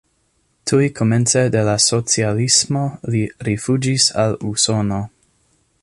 Tuj komence de la socialismo li rifuĝis al Usono.